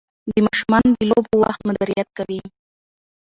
د ماشومانو د لوبو وخت مدیریت کوي.